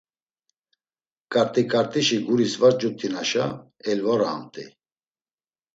K̆arti ǩartişi guris var cut̆inaşa elvoraamt̆ey.